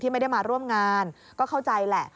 ไม่ได้มาร่วมงานก็เข้าใจแหละ